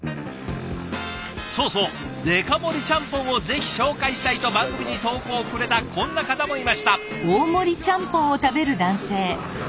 そうそう「デカ盛りちゃんぽんをぜひ紹介したい」と番組に投稿をくれたこんな方もいました。